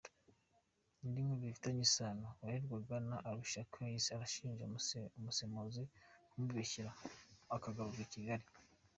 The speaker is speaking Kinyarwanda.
Indi nkuru bifitanye isano: Uwarerwaga na Alicia Keys arashinja umusemuzi kumubeshyera akagarurwa i Kigali.